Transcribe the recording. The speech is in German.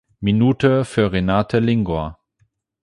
Minute für Renate Lingor.